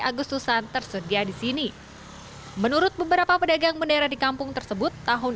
agustusan tersedia di sini menurut beberapa pedagang bendera di kampung tersebut tahun